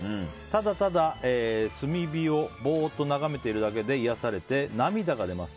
ただただ炭火をぼーっと眺めているだけで癒やされて、涙が出ます。